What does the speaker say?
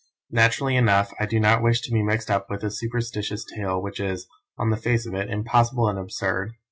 Naturally enough I do not wish to be mixed up with a superstitious tale which is, on the face of it, impossible and absurd.